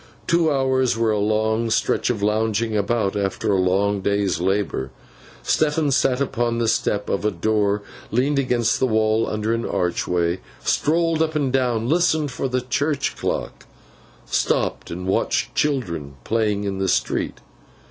Two hours were a long stretch of lounging about, after a long day's labour. Stephen sat upon the step of a door, leaned against a wall under an archway, strolled up and down, listened for the church clock, stopped and watched children playing in the street.